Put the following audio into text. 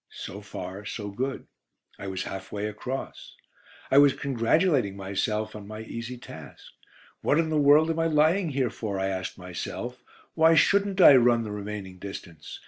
So far, so good: I was half way across. I was congratulating myself on my easy task. "What in the world am I lying here for?" I asked myself; "why shouldn't I run the remaining distance?"